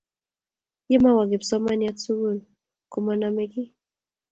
Ye mowo kipsomaniat sugul ko manomey kiy.